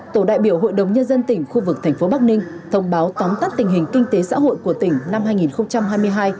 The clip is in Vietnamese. tổ đại biểu hội đồng nhân dân tỉnh khu vực thành phố bắc ninh thông báo tóm tắt tình hình kinh tế xã hội của tỉnh năm hai nghìn hai mươi hai